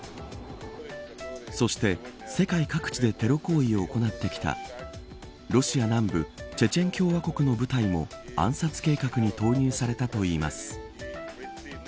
そして、世界各地でテロ行為を行ってきたロシア南部チェチェン共和国の部隊も暗殺計画に投入されたといいます。